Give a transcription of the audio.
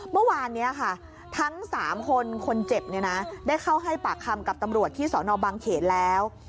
เมื่อวานนี้ค่ะทั้ง๓คนคนเจ็บเนี่ยนะได้เข้าให้ปากคำกับตำรวจที่สนบางเขตแล้ว